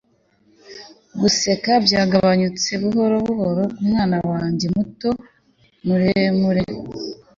guseka byagabanutse buhoro buhoro nkumwana wanjye muto muremure